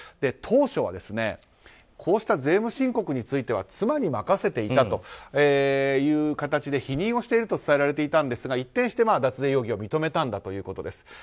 当初はこうした税務申告については妻に任せていたという形で否認をしていると伝えられていたんですが一転して脱税容疑を認めたということです。